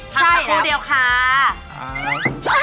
ใช่แล้วพักตัวเดียวค่ะครับพักตัวเดียวค่ะใช่แล้ว